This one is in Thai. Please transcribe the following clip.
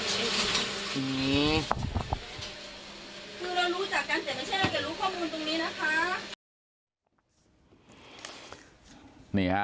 คือเรารู้จักกันแต่ไม่ใช่เราจะรู้ข้อมูลตรงนี้นะคะ